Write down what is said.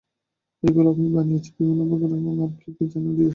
এগুলো আমি বানিয়েছি, বিভিন্ন উপকরণ এবং আরো কি কি যেনো দিয়ে।